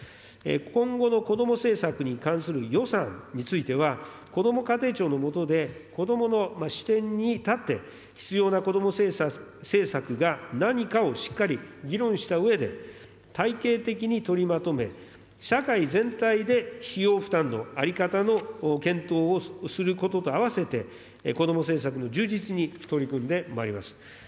今後のこども政策に関する予算については、こども家庭庁の下で、子どもの視点に立って必要なこども政策が何かをしっかり議論したうえで、体系的に取りまとめ、社会全体で費用負担の在り方の検討をすることと併せて、こども政策の充実に取り組んでまいります。